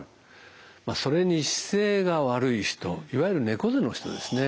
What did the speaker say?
まあそれに姿勢が悪い人いわゆる猫背の人ですね。